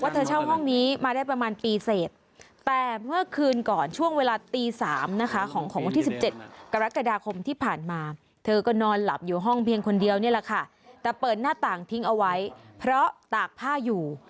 แต่เปิดหน้าต่างทิ้งเอาไว้เพราะตากผ้าอยู่